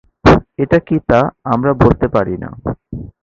এটা কি তা আমরা বলতে পারি না।